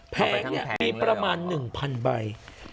แพงนี้ประมาณ๑พันใบ